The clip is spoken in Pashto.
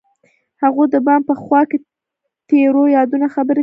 هغوی د بام په خوا کې تیرو یادونو خبرې کړې.